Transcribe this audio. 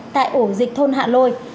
tại ổ dịch thôn hạ lôi